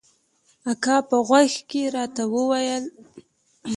اکا په غوږ کښې راته وويل.